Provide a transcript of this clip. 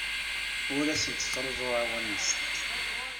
Ur asent-ttruẓuɣ awal-nsent.